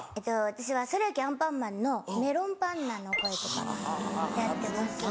私は『それいけ！アンパンマン』のメロンパンナの声とかやってます。